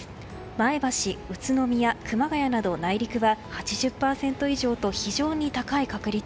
前橋、宇都宮、熊谷など内陸は８０％以上と非常に高い確率。